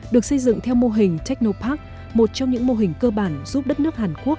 được xây dựng theo mô hình technopac một trong những mô hình cơ bản giúp đất nước hàn quốc